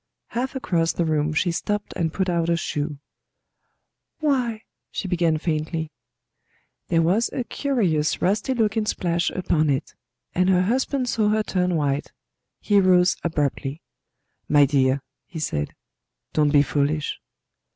Half across the room she stopped and put out a shoe. "Why " she began faintly. There was a curious rusty looking splash upon it; and her husband saw her turn white. He rose abruptly. "My dear," he said, "don't be foolish."